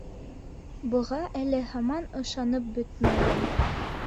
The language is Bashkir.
Быға әле һаман ышанып бөтмәйем.